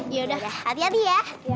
ya udah gak hati hati ya